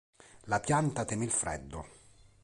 La pianta teme il freddo.